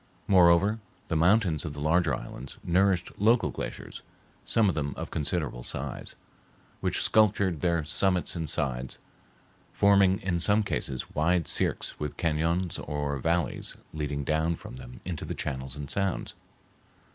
Moreover, the mountains of the larger islands nourished local glaciers, some of them of considerable size, which sculptured their summits and sides, forming in some cases wide cirques with cañons or valleys leading down from them into the channels and sounds.